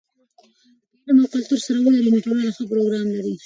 که علم او کلتور سره ولري، نو ټولنه ښه پروګرام لري.